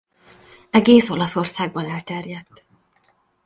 Egész Olaszországban elterjedt.